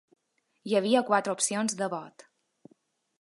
Hi havia quatre opcions de vot.